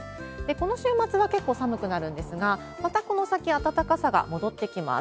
この週末は結構寒くなるんですが、またこの先、暖かさが戻ってきます。